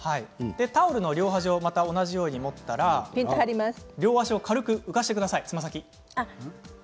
タオルの両端を同じように持ったら両足、つま先を軽く浮かせてください。